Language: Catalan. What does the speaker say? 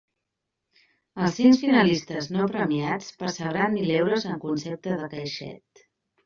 Els cinc finalistes no premiats percebran mil euros en concepte de caixet.